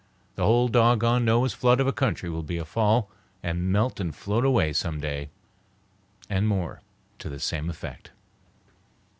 The whole dog gone Noah's flood of a country will be a fall and melt and float away some day.'" And more to the same effect.